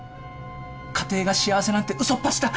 家庭が幸せなんてうそっぱちだ。